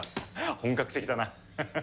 本格的だなハハハ。